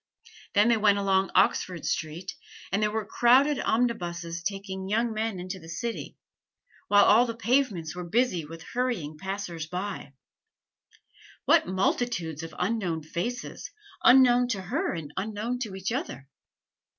Then they went along Oxford Street; and there were crowded omnibuses taking young men into the city, while all the pavements were busy with hurrying passers by. What multitudes of unknown faces, unknown to her and unknown to each other!